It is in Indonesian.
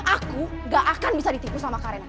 aku gak akan bisa ditipu sama karena